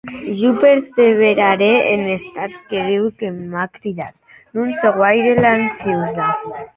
Jo perseverarè en estat que Diu m’a cridat; non sò guaire lanfiosa.